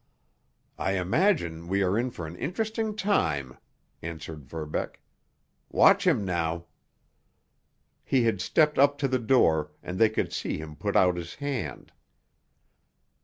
"I imagine we are in for an interesting time," answered Verbeck. "Watch him now!" He had stepped up to the door, and they could see him put out his hand.